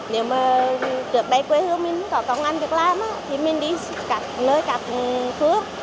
nếu mà trước đây quê hương mình có công ăn việc làm thì mình đi các nơi các phước